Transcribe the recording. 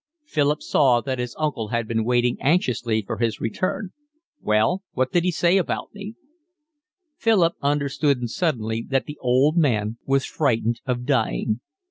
Philip saw that his uncle had been waiting anxiously for his return. "Well, what did he say about me?" Philip understood suddenly that the old man was frightened of dying.